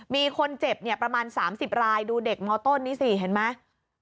มีคนเจ็บประมาณ๓๐รายดูเด็กมต้นนี้สิเห็นไหม